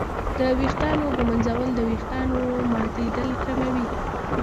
د ویښتانو ږمنځول د ویښتانو ماتېدل کموي.